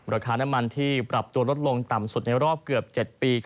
ราคาน้ำมันที่ปรับตัวลดลงต่ำสุดในรอบเกือบ๗ปี